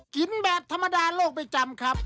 กินแบบธรรมดาโลกไม่จำครับ